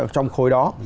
trong khối đó